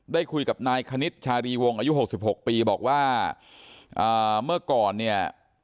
ได้คุยกับนายคณิตชารีวงอายุหกสิบหกปีบอกว่าอ่าเมื่อก่อนเนี่ย